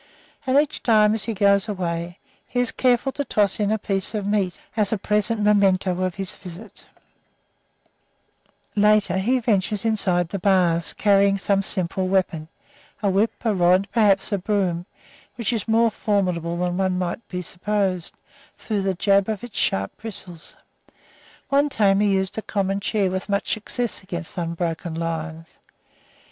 And each time, as he goes away, he is careful to toss in a piece of meat as a pleasant memento of his visit. [Illustration: COMING TO CLOSE QUARTERS.] Later he ventures inside the bars, carrying some simple weapon a whip, a rod, perhaps a broom, which is more formidable than might be supposed, through the jab of its sharp bristles. One tamer used a common chair with much success against unbroken lions.